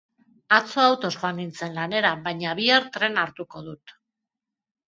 Atzo autoz joan nintzen lanera, baina bihar trena hartuko dut.